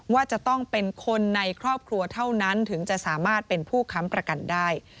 ว่าจะต้องเป็นคนในครอบครัวเท่านั้นถึงจะสามารถเป็นผู้ค้ำประกันได้